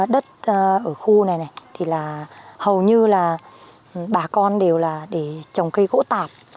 diện tích đất ở khu này hầu như bà con đều là để trồng cây gỗ tạp